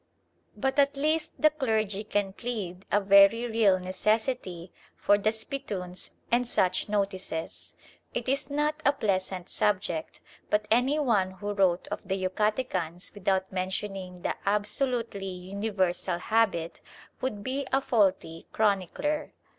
But at least the clergy can plead a very real necessity for the spittoons and such notices. It is not a pleasant subject, but any one who wrote of the Yucatecans without mentioning the absolutely universal habit would be a faulty chronicler.